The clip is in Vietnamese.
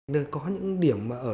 đều có những điểm mà ở